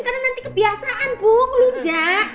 karena nanti kebiasaan bu ngelunjak